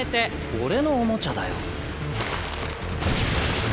俺のおもちゃだよ。